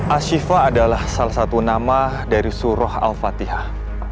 ashifa adalah salah satu nama dari surah al fatihah